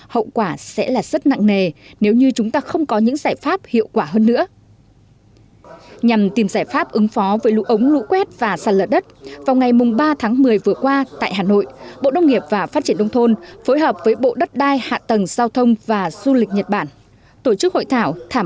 hậu quả sẽ là rất nặng nề nếu như chúng ta không có những giải pháp hiệu quả hơn nữa